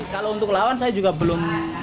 kalau untuk lawan saya juga belum